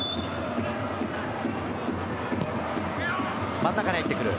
真ん中に入ってくる。